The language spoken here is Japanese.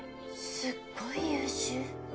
すっごい優秀。